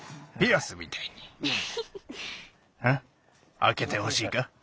あけてほしいか？